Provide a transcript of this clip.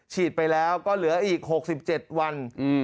ฉีดไปแล้วก็เหลืออีก๖๗วัน